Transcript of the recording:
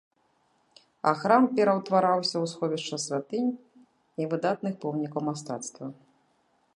А храм пераўтвараўся ў сховішча святынь і выдатных помнікаў мастацтва.